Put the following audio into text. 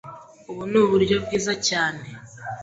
Ubu ni uburyo bwiza cyane.